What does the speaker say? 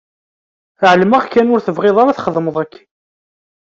Ԑelmeɣ kan ur tebɣiḍ ara txedmeḍ akken.